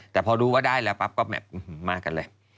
แต่พอรู้ว่าได้แล้วปั๊บก็แบบมากันเลย